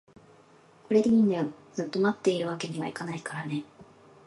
これでいいんだよ、ずっと持っているわけにはいけないからね